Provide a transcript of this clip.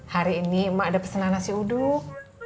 hari ini emak ada pesanan nasi uduk